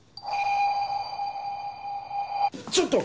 ちょっと！